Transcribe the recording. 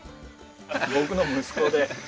僕の息子ではい。